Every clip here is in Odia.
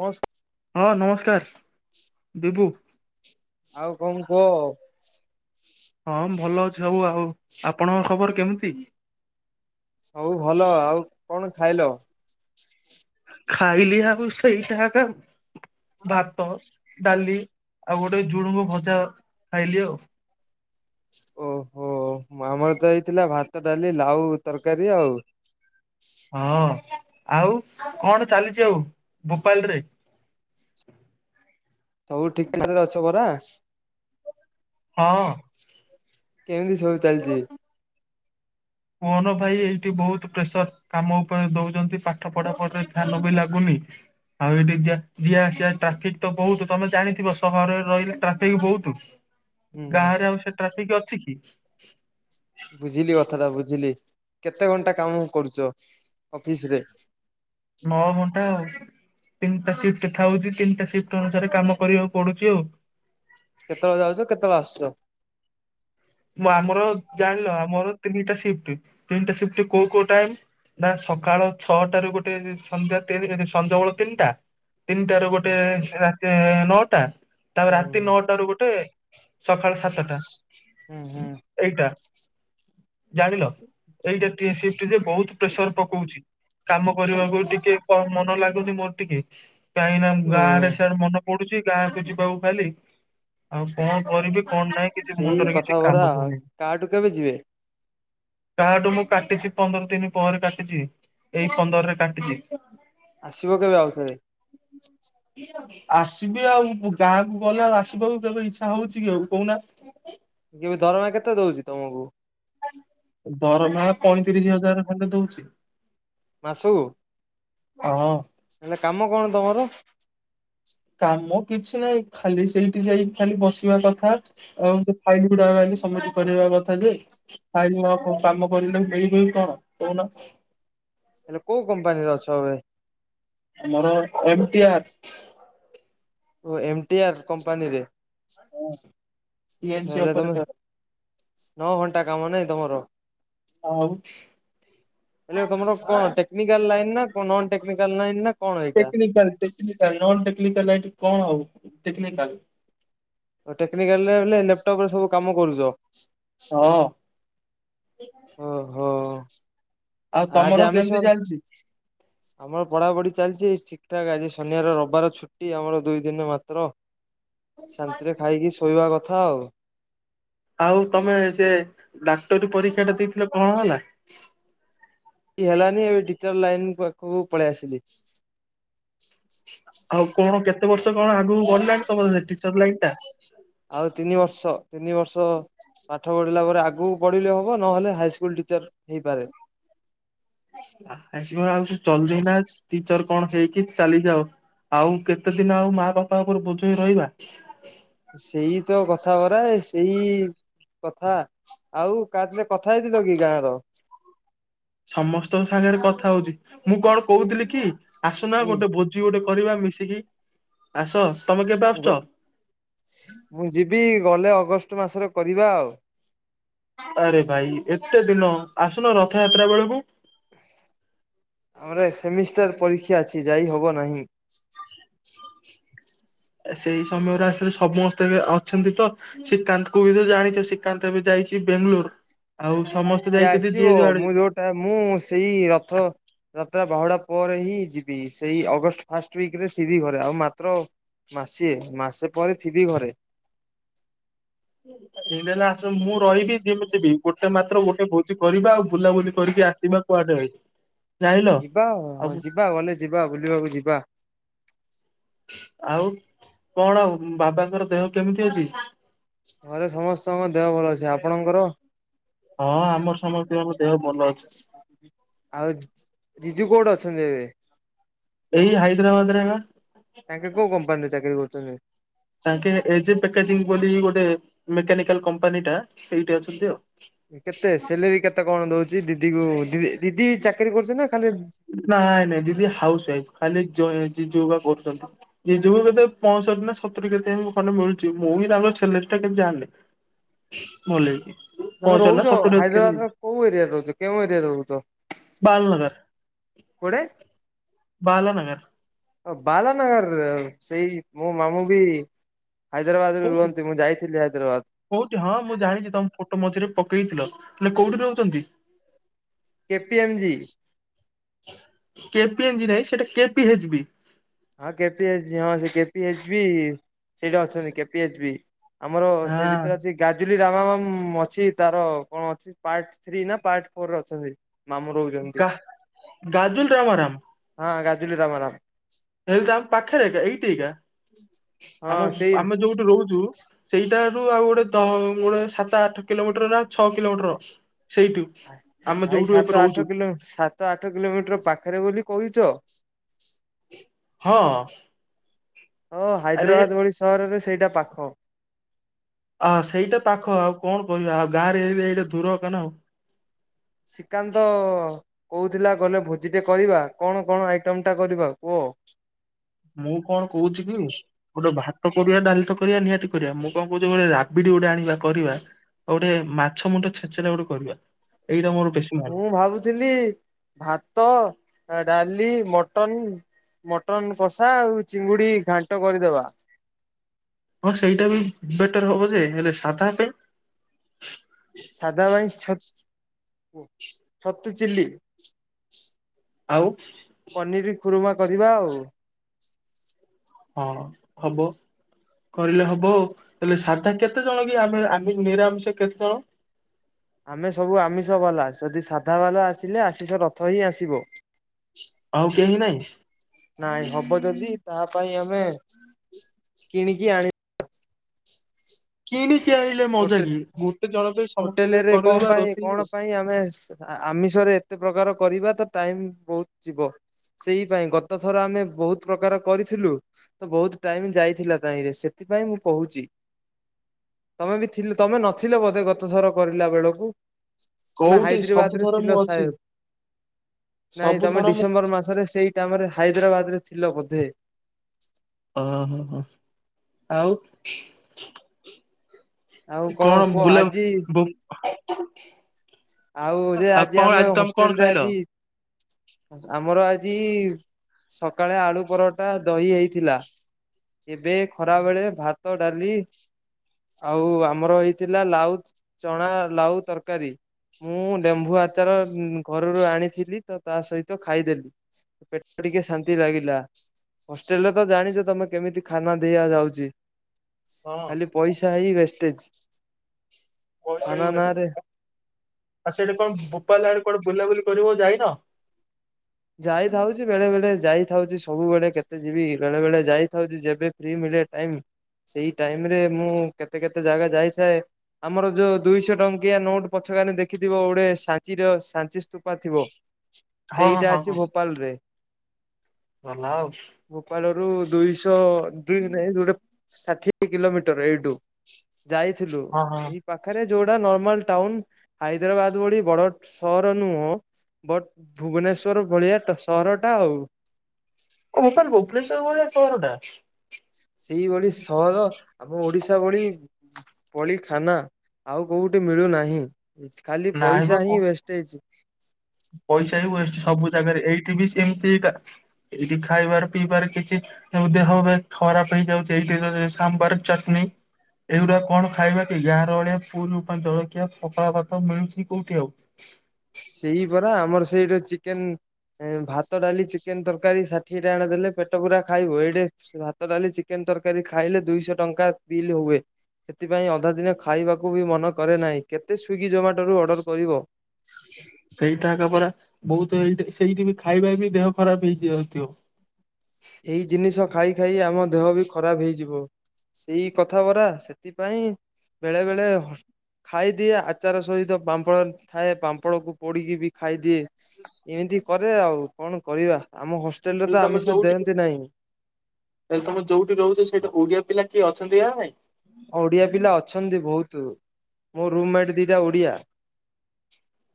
ନମସ୍କାର ହଁ ନମସ୍କାର ବିଭୁ। ଆଉ କଣ କୁହ? ହଁ ଭଲ ଅଛି ସବୁ। ଆଉ ଆପଣଙ୍କ ଖବର କେମିତି? ସବୁ ଭଲ ଆଉ କଣ ଖାଇଲ? ଖାଇଲି ଆଉ ସେଇଟା ଏକା ଭାତ ଡାଲି ଆଉ ଗୋଟେ ଝୁଡଙ୍ଗ ଭଜା ଖାଇଲି ଆଉ। ଓହୋ ଆମର ତ ହେଇଥିଲା ଭାତ ଡାଲି ଲାଉ ତରକାରୀ ଆଉ। ହଁ ଆଉ କଣ ଚାଲିଛି ଆଉ ଭୋପାଲ ରେ। ସବୁ ଠିକ ଠାକ୍ ରେ ଅଛ ପରା। ହଁ। କେମିତି ସବୁ ଚାଲିଛି। କୁହନ ଭାଇ ଏଇଠି ବହୁତ ପ୍ରେସର କାମ ଉପରେ ଦଉଛନ୍ତି ପାଠ ପଢ଼ା ପଢି ରେ ଖ୍ୟାଲ ବି ଲଗୁନି। ଆଉ ଏଠି ଯିଆ ଯିିଆ ଆସିବା ଟ୍ରାଫିକ ତ ବହୁତୁ ତମେ ଜାଣିଥିବ ସହର ରେ ରହିଲେ ଟ୍ରାଫିକ ବହୁତୁ। ହୁଁ ହୁଁ ଗାଁରେ ଆଉ ସେ ଟ୍ରାଫିକ ଅଛି କି। ବୁଝିଲି କଥା ଟା ବୁଝିଲି। କେତେ ଘଣ୍ଟା କାମୁ କରୁଛ ଅଫିସ ରେ। ନଘଣ୍ଟା ଆଉ। ତିନିଟା ସିଫ୍ଟ ଥାଉଛି ତିନିଟା ସିଫ୍ଟ ଅନୁସାରେ କାମ କରିବାକୁ ପଡୁଛି ଆଉ। ଚ। ମୁଁ ଆମର ଜାଣିଲ ଆମର ତିନିଟା ସିଫ୍ଟ ତିନିଟା ସିଫ୍ଟ କୋଉ କୋଉ ଟାଇମ? ନା ସକାଳ ଛଅଟା ରୁ ଗୋଟେ ସନ୍ଧ୍ୟା ତିନି ରି ରି ସଞ୍ଜ ବେଳ ତିନିଟା। ତିନିଟା ରୁ ହୁଁ ଗୋଟେ ରାତି ନଅଟା ତାପରେ ହୁଁ ରାତି ନଅଟା ରୁ ଗୋଟେ। ସକାଳ ସାତଟା ହୁଁ ହୁଁ ଏଇଟା। ଜାଣିଲ ଏଇଟା ଟି ଏ ସିପ୍ଟ ଯେ ବହୁତ ପ୍ରେସର ପକଉଛି କାମ କରିବାକୁ ଟିକେ। କଣ ମନ ଲାଗୁନି ମୋର ଟିକେ କାହିଁକି ନା ଓ ଗାଁ ଆଡେ ସିଆଡେ ମନ ପଡୁଛି। ଗାଁ କୁ ଯିବାକୁ ଖାଲି ଆଉ କଣ କରିବି କଣ ନାହିଁ କିଛି ସେଇ ମୁଣ୍ଡରେ କିଛି। କଥା ପରା କାମ ଦଉନି। କାଠୁ କେବେ ଯିବେ। କାହାଠୁ ମୁଁ କାଟିଛି ପନ୍ଦର ଦିନି ପରେ କାଟିଛି ଏଇ ପନ୍ଦର ରେ କାଟିଛି। ଆସିବ କେବେ ଆଉଥରେ? ଆସିବି ଆଉ ଗାଁକୁ ଗଲେ ଆଉ ଆସିବାକୁ କେବେ ଇଛା ହଉଛି କି ଆଉ କହୁନା। ହଁ [unintelligible] କେବେ ଦରମା କେତେ ଦଉଛି ତମକୁ? ଦରମା ପଇଁତିରିଶ ହଜାର ଖଣ୍ଡେ ଦଉଛି। ମାଶୁକୁ। ହଁ। ହେନେ କାମ କଣ ତମର? କାମ କିଛି ନାହିଁ ଖାଲି ସେଇଠି ଯାଇକି ଖାଲି ବସିବା କଥା ଆଉ ଫାଇଲ ଗୁଡା ଆଇଲେ ସ ବମିଟ କରିବା କଥା ଯେ ଫାଇଲ ନ କାମ କରିଲେ ଦେଇ ଦେବି କଣ କହୁନା। ଏଲେ କୋଉ କମ୍ପାନୀରେ ଅଛ ଏବେ? ଆମର ଏମ ଟି ଆର। ଓ ଏମ ଟି ଆର କମ୍ପାନୀ ରେ। ଟି ଏନ ସି ହେଲେ ତମେ ଅପରେଟର ନଅ ଘଣ୍ଟା। କାମ ନାଇଁ ତମର ଆଉ ହେଲେ ତମର କଣ ଟେ ଟେକ୍ନିକାଲ ଲାଇନ ନା ନନ ଟେକ୍ନିକଲ ଲାଇନ ନା। କଣ ଏଇଟା? ଟେକ୍ନିକାଲ ଟେକ୍ନିକାଲ ନନ ଟେକ୍ନିକାଲ ଏଥି କଣ ଆଉ। ଓ ଟେକ୍ନିକାଲ ରେ ବଲେ ଲାପଟପ ରେ ସବୁ କାମ କରୁଛ। ହଁ। ହଁ [unintelligible] ଆଉ ତମର କେମିତି ଚାଲିଛି? ଆମର ପଢାପଢି ଚାଲିଛି ଠିକ ଠାକ ଆଜି ଶନିବାର ରବିବାର ଛୁଟି ଆମର ଦୁଇ ଦିନ ମାତ୍ର। ଶାନ୍ତିରେ ଖାଇକି ଶୋଇବା କଥା ଆଉ। ଆଉ ତମେ ସେ ଡାକ୍ତରୀ ପରୀକ୍ଷା ଟା ଦେଇଥିଲ କଁ ହେଲା? ଟି ହେଲାନି ଏବେ ଟିଚର ଲାଇନ ପାଖକୁ ପଳେଇ ଆସିଲି। ଆଉ କଣ କେତେ ବର୍ଷ କଣ ଆଗକୁ ଗଡିଲାଣି ତମର ସେ ଟିଚର ଲାଇନି ଟା‌। ଆଉ ତିନି ବର୍ଷ। ତିନି ବର୍ଷ ପାଠ ପଢ଼ିଲା ପରେ ଆଗକୁ ପଢ଼ିଲେ ହବ ନହେଲେ ହାଇସ୍କୁଲ ଟିଚର୍ ହେଇପା ହ [unintelligible] ଚଲେଇ ନାହାଁନ୍ତି ଟିଚର କଣ ହେଇକି ଚାଲିଯା ଆଉ କେତେ ଦିନ ଆଉ ମା ବାପା ଉପରେ ବୋଝ ହେଇ ରହିବା? ସେଇ ତ କଥାପରା ସେଇ କଥା ଆଉ କାଥିରେ କଥା ହେଇଥିଲ କି ଗାଁ ର ସମସ୍ତଙ୍କ ସାଙ୍ଗରେ କଥା ହୋଉଚି ମୁଁ କଣ କହୁଥିଲି କି ଆସୁନା ହୁଁ ଗୋଟେ ଭୋଜି ଗୋଟେ କରିବା ମିଶିକି ଆସ। ତମେ କେବେ ଆସୁଛ ମୁଁ ଯିବି ଗଲେ ଅଗଷ୍ଟ ମାସର କରିବା ଆଉ ଆରେ ଭାଇ ଏତେ ଦିନ ଆସୁନ ରଥଯାତ୍ରା ବେଳକୁ। ଆମର ସେମିଷ୍ଟାର ପରୀକ୍ଷା ଅଛି ଯାଇ ହବ ନାହିଁ। ସେଇ ସମୟରେ ଆସ ସମସ୍ତେ ବି ଅଛନ୍ତି ତ ଶ୍ରୀକାନ୍ତ କୁ ବି ତ ଜାଣିଛ ଶ୍ରୀକାନ୍ତ ଯାଇ ଯ ବେଙ୍ଗଲୁର ସେଏ ଆସିବ ମୁଁ ଯୋଉ ଟା ମୁଁ ସେଇ ରଥ ଯତ୍ରା ବାହୁଡା ପରେ ହିଁ ଯିବି ସେଇ ଅଗଷ୍ଟ ଫାଷ୍ଟ ୱିକ ରେ ସିରି ଘରେ ଆଉ ମାତ୍ର ମାସେ ମାସେ ପରେ ଥିବି ଘରେ। ଏଇ ନ ହେଲେ ଆସ ମୁଁ ରହିବି ଯେମିତି ବିି ଗୋଟେ ମାତ୍ର ଗୋଟେ ଭୋଜି କରିବା ଆଉ ବୁଲାବୁଲି କରିକି ଆସିବା କୁଆଡେ। ଜାଣିଲ ଯିବା ହ ଆଉ ଯିବା ଗଲେ ଯିବା ବୁଲିବାକୁ ଯିବା। ଆଉ କଣ ଆଉ ବାବାଙ୍କର ଦେହ କେମିତି ଅଛି? ଘରେ ସମସ୍ତଙ୍କ ଦେହ ଭଲ ଅଛି, ଆପଣଙ୍କର? ହଁ ଆମର ସମସ୍ତଙ୍କ ଦେହ ଭଲ ଅଛି ଆଉ [unintelligible] ସଞ୍ଜବ ଏଇ ହାଇଦ୍ରାବାଦରେ ବା ତାଙ୍କେ କୋଉ କମ୍ପାନୀରେ ଚାକିରି କରୁଚନ୍ତି? ତାଙ୍କେ ଏ ପ୍ୟାକେଜିଂ ବୋଲି ଗୋଟେ ମେକାନିକାଲ କମ୍ପାନୀ ଟା ସେଇଠି ଅଛନ୍ତି ଆଉ। କେତେ ସାଲେରୀ କେତେ କଣ ଦୋଉଚି ଦିଦି କ ଦି ଦିଦି ଚାକିରି କରିଚ ନା ଖାଲି ନାଇଁ ନାଇଁ ଦିଦି ହାଉସୱାଇଫ୍ ଖାଲି ଯ ଜିଯୁ ଏକା କରୁଛନ୍ତି ଜଜୁ କେତେ ପଞ୍ଚଷଠି ନା ସତୁରି କେତେ ଖଣ୍ଡେ ମିଳୁଚି ମୁଁ ବି ତାଙ୍କ ଜାଣିଲେ ଭୁଲ କି ତମେ ରହୁଚ ହାଇଦ୍ରାବାଦ ର କୋଉ ଏରିଆରେ ରହୁଚ କେଉଁ ଏରିଆରେ ରହୁଚ? [unintelligible] କୁଆଡ଼େ? [unintelligible] ବାଲା ନଗର ସେଇ ମୋ ମାମୁଁ ବି ହାଇଦ୍ରାବାଦରେ କୋଉଠି ରୁହନ୍ତି ମୁଁ ଯାଇଥିଲି ହାଇଦ୍ରାବାଦ କୋଉଠି ହଁ ମୁଁ ଜାଣିଚି ତମ ଫଟୋ ମଝିରେ ପକେଇଥିଲ। ହେଲେ କୋଉଠି ରହୁଛନ୍ତି? K P M G. କେପି ଏ ନାଇଁ ସେଇଟା କେପି ହେ [unintelligible] ହଁ କେପି ଏଚ ହଁ ସେ କେପି ଏଚ ବି ସେଇଟା ଅଛନ୍ତି କେପି ଏଚ ବି। ଆମର ସେ ହଁ ଭିତରେ [unintelligible] ରାମାମ ଅଛି ତାର କଣ ଅଛି ପାର୍ଟ ଥ୍ରୀ ନା ପାର୍ଟ ଫୋରରେ ଅଛ ମାମୁଁ ରହୁଛନ୍ତି ଗା ଗାଜୁଲ ରାମାରାମ ହଁ ଗାଜଲି ରାମ ହେଲେ ତ ଆମ ପାଖରେ ଏକ ଏକା ଏଇଠି ଏକ ଏକା ହଁ ଆମ ସେଇ ଆମେ ଯୋଉଠି ରହୁଛୁ ସେଇଟାରୁ ଆଉ ଗୋଟେ ଦ ଗୋଟେ ସାତ ଆଠ କିଲୋମିଟର ନା ଛଅ କିଲୋମିଟର ସେଇଠୁ ଆମେ ଭାଇ ଯୋଉଠୁ ଏବେ ସାତ ରହୁଛୁ ଆଠ କିଲୋମିଟର ସାତ ତ ଆଠ କିଲୋମିଟର ପାଖରେ ବୋଲି କହୁଛ ହଁ। ହଁ ଆରେ ହାଇଦ୍ରାବାଦ ଭଳି ସହରରେ ସେଇଟା ପାଖ। ଅ ସେଇଟା ପାଖ ଆଉ କଣ କହିବା, ଆଉ ଗାଁ ରେ ଏ-ଏଇଟା ଦୂର କାରଣ ଶ୍ରୀକାନ୍ତ କହୁଥିଲା ଗଲେ ଭୋଜିଟେ କରିବା। କଣ କଣ ଆଇଟମ ଟା କରିବା କୁହ? ମୁଁ କଣ କହୁଛି କି ଗୋଟେ ଭାତ କରିବା, ଡାଲି ତ କରିବା, ନିହାତି କରିବା, ମୁଁ କଣ କହୁଛି ଗୋଟେ ରାବିଡି ବିଡ଼ି ଗୋଟେ ଆଣିବା କରିବା, ଆଉ ଗୋଟେ ମାଛ ମୁଣ୍ଡ ଛେଚାଟା ଗୋଟେ କରିବା। ଏଇଟା ମୋର ବେଶୀ ମନ। ମୁଁ ଭାବୁଥିଲି ଭାତ ଡାଲି, ମଟନ, ମଟନ କଷା ଆଉ ଚିଙ୍ଗୁଡି ଘାଣ୍ଟ କରିଦବା। ହଁ ସେଇଟା ବି ବେଟର ହବ ଯେ, ହେଲେ ସାଧା ପାଇଁ? ସାଧା ପାଇଁ ଛ ଛତୁ ଚିଲ୍ଲି। ଆଉ ପନିର ଖୁରୁମା କରିବା ଆଉ। ହଁ ହବ କରିଲେ ହବ ଆଉ। ହେଲେ ସାଧା କେତେ ଜଣ କି ଆମେ ଆମେ ନିରାମିଷ କେତେ ଜଣ? ଆମେ ସବୁ ଆମିଷ ଗଲା, ଯଦି ସାଧା ବାଲା ଆସିଲେ ଆଶିଷ ରଥ ହିଁ ଆସିବ। ଆଉ କେହି ନାହିଁ ନାଇଁ ହବ ଯଦି ତାହା ପାଇଁ ଆମେ କିଣିକି ଆଣି କିଣିକି ଆଣିଲେ ମଜା ହୋଟେଲ କି ଗୋଟେ ଜଣ ପାଇଁ ସମସ୍ତଙ୍କ ପାଇଁ ହୋଟେଲରେ କଣ କରିଦବା ପାଇଁ ରୋଷେଇ କଣ ଆଉ। ପାଇଁ ଆମେ ଆମିଷ ରେ ଏତେ ପ୍ରକାର କରିବା ତ ଟାଇମ ବହୁତ ଯିବ ସେଇ ପାଇଁ ଗତ ଥର ଆମେ ବହୁତ ପ୍ରକାର କରିଥିଲୁ, ତ ବହୁତ ଟାଇମ ଯାଇଥିଲା ତାହିଁରେ ସେଥି ପାଇଁ ମୁଁ କହୁଚି ତମେ ବି ଥିଲ ତମେ ନଥିଲ ବୋଧେ ଗତ ଥର କରିଲା ବେଳକୁ ତମେ କୋଉଠି ହାଇଦ୍ରିବାଦରେ ସବୁଥର ଥିଲ ମୁଁ ଅଛି ସାୟଦ୍? ନାଇଁ ତମେ ସବୁଥର ମୁଁ ଡିସେମ୍ବର ମାସରେ ସେଇ ଟାଇମରେ ହାଇଦ୍ରାବାଦରେ ଓହୋ ହୋ ଆଉ ଆଉ କଣ କୁହ ବୁଲା ଆଜି ବୁ ଆଉ ଯେ ଆଉ ଆଜି କଣ ଆମେ ତମେ କଣ ହଷ୍ଟେଲରେ ଖାଇଲ? ଆଜି ଆମର ଆ ଜି ସକାଳେ ଆଳୁ ପରଟା, ଦହି ହେଇଥିଲା। ଏବେ ଖରାବେଳେ ଭାତ, ଡାଲି ଆଉ ଆମର ହେଇଥିଲା ଲାଉ ଚଣା ଲାଉ ତରକାରୀ। ମୁଁ ଡେମ୍ବୁ ଆଚାର ଘରରୁ ଆଣିଥିଲି, ତ ତା ସହିତ ଖାଇଦେଲି। ପେଟ ଟିକେ ଶାନ୍ତି ଲାଗିଲା। ହଷ୍ଟେଲରେ ତ ଜାଣିଛ ତମେ କେମିତି ଖାନା ଦିଆ ଯାଉଚି, ହଁ ଖାଲି ପଇସା ହିଁ ୱେଷ୍ଟେଜ। ପଇସା ହିଁ ଖାନା ନାଁରେ ୱଷ୍ଟେଜ୍। ଆ ସେଠି କଣ ଫୋପାଡ଼ିଲା ବେଳକୁ କୁଆଡ଼େ ବୁଲାବୁଲି କରିବାକୁ ଯାଇନ? ଯାଇଥାଉଛି ବେଳେ ବେଳେ ଯାଇଥାଉଛି, ସବୁବେଳେ କେତେ ଯିବି ବେଳେ ବେଳେ ଯାଇଥାଉଛି ଯେବେ ଫ୍ରି ମିଳି ଳେ ଟାଇମ୍, ସେଇ ଟାଇମ୍ ରେ ମୁଁ କେତେ କେତେ ଜାଗା ଯାଇଥାଏ ଆମର ଯୋଉ ଦୁଇଶହ ଟଙ୍କିଆ ନୋଟ ପଛକାନେ ଦେଖିଥିବ ଗୋଟେ ସାଚିର ସାଞ୍ଚିସ୍ତୁପା ଥିବ ସେଇଟା ହଁ-ହଁ-ହଁ। ଅଛି ଭୋପାଳରେ। ଭଲ ଆଉ। ଭୋପାଳ ରୁ ଦୁଇଶହ ଦୁଇ ନାଇଁ ଯୋଉଟା ଷାଠିଏ କିଲୋମିଟର ଏଇଠୁ ଯାଇଥିଲୁ, ହଁ ହଁ ଏଇ ପାଖରେ ଯୋଉଟା ନର୍ମାଲ ଟାଉନ, ହାଇଦ୍ରାବାଦ ଭଳି ବଡ ସହର ନୁହଁ ବଟ ଭୁବନେଶ୍ଵର ଭଳିଆ ସହରଟା ଆଉ। ଓ ଭୋପାଲ୍ ଭୁବନେଶ୍ୱର ଭଳିଆ ସହରଟା। ସେଇଭଳି ସହର ଆମ ଓଡିଶା ଭଳି ପଳିଖାନା। ଆଉ କୋଉଠି ମିଳୁନାହିଁ, ଖାଲି ନାଇଁ ବା ପଇସା ହିଁ କଣ ୱେଷ୍ଟ ହେଇଛି। ପଇସା ହିଁ ୱଷ୍ଟ ସବୁ ଜାଗାରେ ଏଇଠି ବି ସେମତି କା ଏଇଠି ଖାଇବାର ପିଇବାର କିଛି ଆଉ ଦେହ ବେ ଖରାପ ହେଇଯାଉଛି ଏଇ ତେଲ ଜିନଷ ସମ୍ବର ଚଟନି ଏଇଗୁଡା କଣ ଖାଇବା କି ଗାଁରେ ଭଳିଆ ପୁଲୁ ପାଇଁ ଜଳଖି଼ଆ ପଖଳା ଭାତ ମିଳୁଛି କୋଉଠି ଆଉ। ସେଇ ପରା ଆମର ସେଇଟ ଚିକେନ ଭାତ ଡାଲି ଚିକେନ ତରକାରୀ ଷାଠିଏ ଟା ଦେଲେ ପେଟ ପୁରା ଖାଇବ ଏଇଟେ ଭାତ ଡାଲି ଚିକେନ ତରକାରୀ ଖାଇଲେ ଦୁଇଶହ ଟଙ୍କା ବିଲ୍ ହୁଏ। ସେଥିପାଇଁ ଅଧା ଦିନ ଖାଇବାକୁ ବି ମନ କରେ ନାହିଁ କେତେ ସ୍ଵିଗି ଜୋମାଟୋରୁ ଅର୍ଡର କରିବ। ସେଇଟା କା ପରା ବହୁତ ଏଇି ସେଇଠି ବି ଖାଇବା ବି ଦେହ ଖରାପ ହେଇଯାଉଥିବ। ଏଇ ଜିନିଷ ଖାଇ ଖାଇ ଆମ ଦେହ ବି ଖରାପ ହେଇଯିବ। ସେଇ କଥା ବରା ସେଥିପାଇଁ ବେଳେ ବେଳେ ହଷ୍ଟେ ଖାଇଦିଏ ଆଚାର ସହିତ ପାମ୍ପଳ ଥାଏ ପାମ୍ପଳ କ ପୋଡିକି ବି ଖାଇଦିଏ ଏମିତି ଏଠି କରେ ଆଉ କଣ କରିବା ଆମ ହଷ୍ଟେଲରେ ତ ହେଲେ ଆମି ସ ତମେ ଯୋଉଠି ରହୁଛ ସେଇଟା ଓଡିଆ ପିଲା କିଏ ଅଛନ୍ତି ନାଆଁ? ଓଡିଆ ପିଲା ଅଛନ୍ତି ବହୁତ ମୋ ରୁମମେଟ୍ ଦିଟା ଓଡିଆ।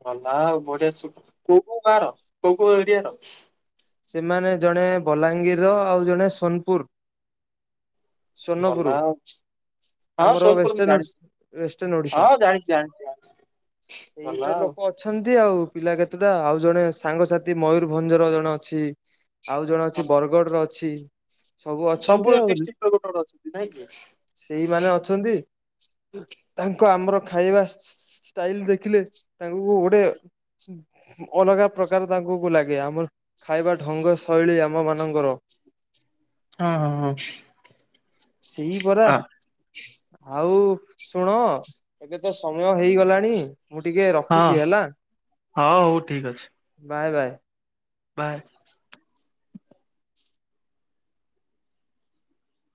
ଭଲ ଆଉ ବଡିଆ ଶୁ କୋଉ କୋଉ ଗାଁର କୋଉ କୋଉ ଏରିଆ ର? ସେମାନେ ଜଣେ ବଲାଙ୍ଗୀର ଆଉ ଜଣେ ସୋନପୁର। ସୋନପୁର ଗଲା ଆଉ। ହଁ ଆମର ସୋନପୁର ମୁଁ ୱେଷ୍ଟର୍ଣ ଜାଣିଛି ହଁ ଜାଣିଛି ଜାଣିଛି ଜାଣି ସେଇଟରେ ଲୋକ ଅଛନ୍ତି। ଆଉ ପିଲା କେତେଟା ଆଉ ଜଣେ ସାଙ୍ଗସାଥି ମୟୂରଭଞ୍ଜର ଜଣେ ଅଛି। ଆଉ ଜଣେ ଅଛି ବରଗଡ ର ଅଛି। ସବୁ ଅଛନ୍ତି ଆଉ ଡିଷ୍ଟ୍ରିକ୍ଟ ର ଗୋଟେ ଗୋଟେ ଅଛନ୍ତି ନାଇଁ କି? ସେଇମାନେ ଅଛନ୍ତି। ତାଙ୍କ ଆମର ଖାଇବା ଷ୍ଟାଇଲ ଦେଖିଲେ ତାଙ୍କୁ ଗୋଟେ ଅଲଗା ପ୍ରକାର ତାଙ୍କୁ କୁ ଲାଗେ ଆମର ଖାଇବା ଢଙ୍ଗ ଶୈଳୀ ଆମମାନଙ୍କର। ହଁ ହଁ ସେଇ ପରା ହଁ ଆଉ ଶୁଣ ଏବେ ତ ସମୟ ହେଇଗଲାଣି? ମୁଁ ଟିକେ ହଁ ରଖୁଛି ହେଲା ହଁ ବାାଏ ବାାଏ। ବାସ୍।